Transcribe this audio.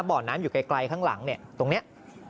เบาะนั้นอยู่ไกลข้างหลังเนี่ยตรงเนี่ย